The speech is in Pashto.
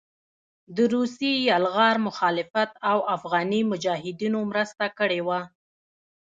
د روسي يلغار مخالفت او افغاني مجاهدينو مرسته کړې وه